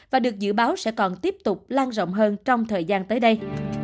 và được dự báo sẽ còn tiếp tục lan rộng hơn trong thời gian tới đây